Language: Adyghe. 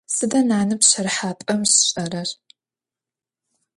Сыда нанэ пщэрыхьапӏэм щишӏэрэр?